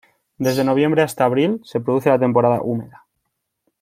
Desde noviembre hasta abril se produce la temporada húmeda.